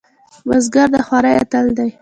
بزګر د خوارۍ اتل دی